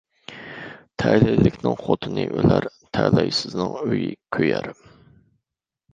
تەلەيلىكنىڭ خوتۇنى ئۆلەر، تەلەيسىزنىڭ ئۆيى كۆيەر.